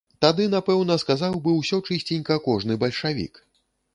Тады напэўна сказаў бы ўсё чысценька кожны бальшавік.